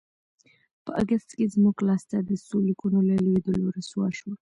په اګست کې زموږ لاسته د څو لیکونو له لوېدلو رسوا شوه.